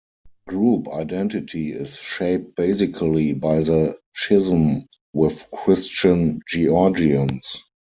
Group identity is shaped basically by the schism with Christian Georgians.